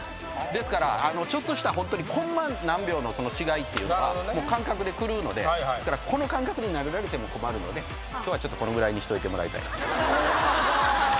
ですからちょっとしたコンマ何秒の違いっていうのはもう感覚で狂うのでこの感覚に慣れられても困るので今日はちょっとこのぐらいにしておいてもらいたいな。